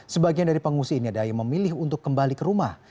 sebagian dari pengungsi ini ada yang memilih untuk kembali ke rumah